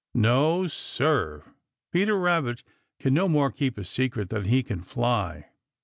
No, Sir, Peter Rabbit can no more keep a secret than he can fly.